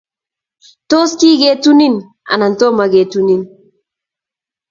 Tos, kigetunin anan Tomo kentunin?